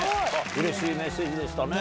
うれしいメッセージでしたね。